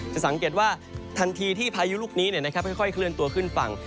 จะสังเกตว่าทันทีที่พายุลูกนี้ค่อยเคลื่อนตัวขึ้นฝั่ง